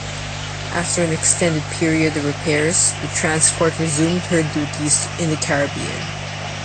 After an extended period of repairs, the transport resumed her duties in the Caribbean.